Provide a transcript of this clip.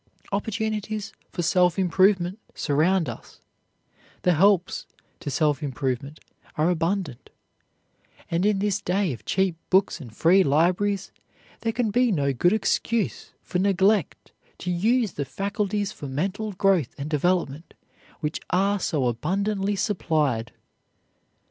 Opportunities for self improvement surround us, the helps to self improvement are abundant, and in this day of cheap books and free libraries, there can be no good excuse for neglect to use the faculties for mental growth and development which are so abundantly supplied.